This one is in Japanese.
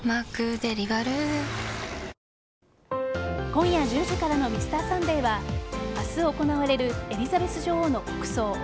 今夜１０時からの「Ｍｒ．サンデー」は明日行われるエリザベス女王の国葬。